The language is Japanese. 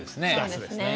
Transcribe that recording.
そうですね。